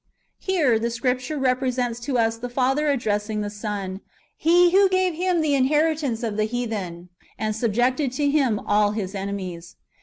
"^ Here [the Scripture] represents to us the Father addressing the Son ; He who gave Him the inheritance of the heathen, and subjected to Him all His enemies.